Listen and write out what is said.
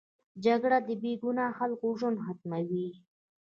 جګړه د بې ګناه خلکو ژوند ختموي